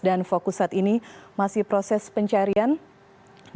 dan fokus saat ini masih proses pencarian dan juga proses evakuasi untuk di kawasan pandeglang